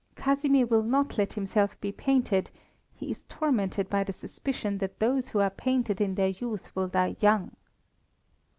"Casimir will not let himself be painted; he is tormented by the suspicion that those who are painted in their youth will die young."